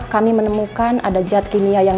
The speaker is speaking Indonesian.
kami menemukan ada zat kimia yang